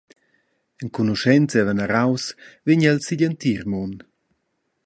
Enconuschents e veneraus vegn el sin igl entir mund.